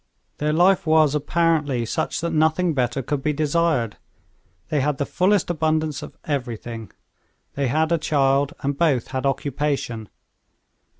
Their life was apparently such that nothing better could be desired. They had the fullest abundance of everything; they had a child, and both had occupation.